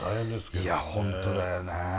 いや本当だよね。